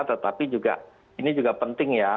tetapi juga ini juga penting ya